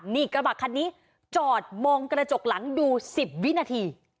นี่กระบะคันนี้จอดมองกระจกหลังดู๑๐วินาที